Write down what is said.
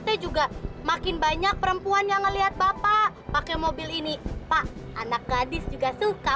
teh juga makin banyak perempuan yang ngeliat bapak pakai mobil ini pak anak gadis juga suka